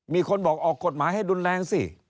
มีคนบอกออกกฎหมายให้รุนแรงสิ